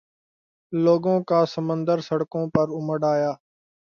لوگوں کا سمندر سڑکوں پہ امڈآیا۔